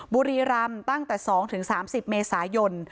บุรีรำตั้งแต่๒๓๐เมษายน